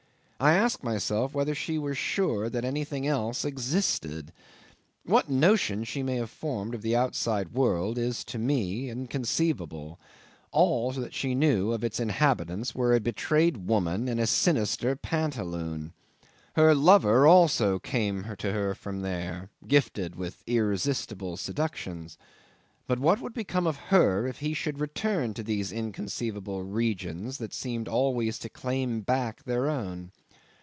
I ask myself whether she were sure that anything else existed. What notions she may have formed of the outside world is to me inconceivable: all that she knew of its inhabitants were a betrayed woman and a sinister pantaloon. Her lover also came to her from there, gifted with irresistible seductions; but what would become of her if he should return to these inconceivable regions that seemed always to claim back their own?